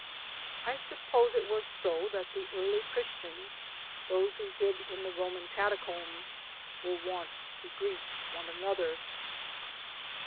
I suppose it was so that the early Christians, those who hid in the Roman catacombs, were wont to greet one another.